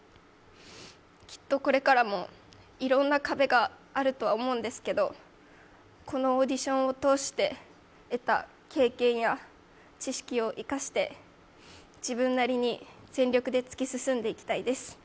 きっとこれからも、いろんな壁があるとは思うんですけれどもこのオーディションを通して得た経験や知識を生かして自分なりに全力で突き進んでいきたいです。